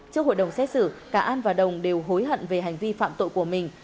trước hội đồng xét xử cả an và đồng đều hối hận về hành vi phạm tội của mình